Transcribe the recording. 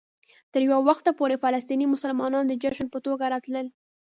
تر یو وخته پورې فلسطيني مسلمانانو د جشن په توګه راتلل.